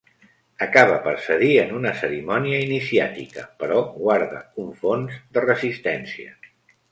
Acaba per cedir en una cerimònia iniciàtica però guarda un fons de resistència.